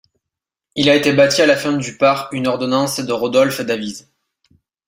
Il a été bâti à la fin du par une ordonnance de Rodolphe d'Avise.